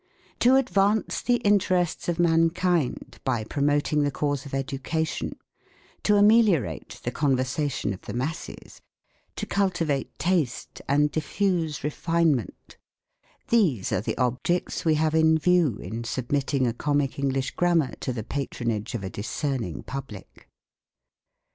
To advance the interests of mankind by promoting the cause of Education; to ameliorate the conversation of the masses ; to cultivate Taste, and diffuse Refinement; these are the objects we have in view in submitting a Comic English Grammar to the patronage of a discerning Public.